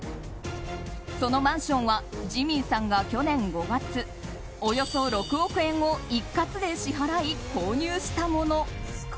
そのマンションはジミンさんが去年５月およそ６億円を一括で支払い購入したもの。